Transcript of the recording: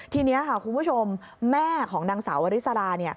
ทีนี้ค่ะคุณผู้ชมแม่ของนางสาววริสรา